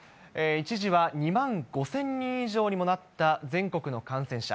一時は２万５０００人以上にもなった全国の感染者。